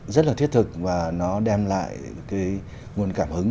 rất là thiết thực và nó đem lại cái nguồn cảm hứng